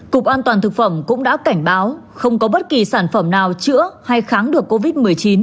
cục an toàn thực phẩm cũng đã cảnh báo không có bất kỳ sản phẩm nào chữa hay kháng được covid một mươi chín